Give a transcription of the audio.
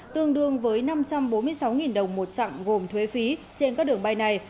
tương đương với năm trăm bốn mươi sáu đồng một chặng gồm thuế phí trên các đường bay này